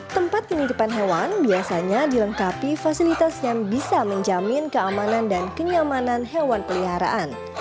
tempat penitipan hewan biasanya dilengkapi fasilitas yang bisa menjamin keamanan dan kenyamanan hewan peliharaan